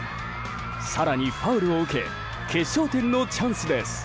更に、ファウルを受け決勝点のチャンスです。